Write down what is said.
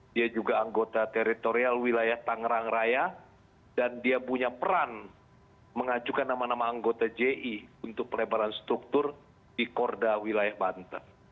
dia juga anggota teritorial wilayah tangerang raya dan dia punya peran mengajukan nama nama anggota ji untuk pelebaran struktur di korda wilayah banten